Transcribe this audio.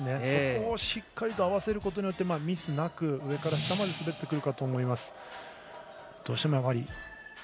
そこをしっかりと合わせることによってミスなく上から下まで滑ってこれると思います。